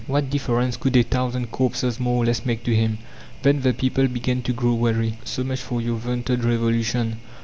What difference could a thousand corpses more or less make to him? Then the people began to grow weary. "So much for your vaunted Revolution!